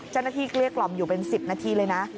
เจ้าหน้าที่เกลี้ยกล่อมอยู่เป็น๑๐นาทีเลยนะ